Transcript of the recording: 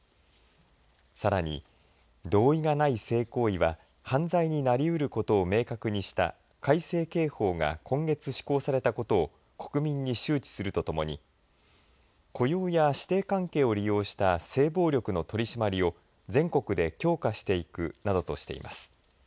さらに同意がない性行為は犯罪になり得ることを明確にした改正刑法が今月施行されたことを国民に周知するとともに雇用や師弟関係を利用した性暴力の取締りを全国で強化していくなどとしています。